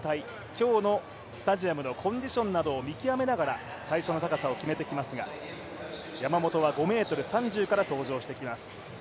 今日のスタジアムのコンディションなどを見極めながら最初の高さを決めてきますが、山本は５ｍ３０から登場してきます。